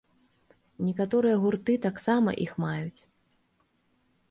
Некаторыя гурты таксама іх маюць.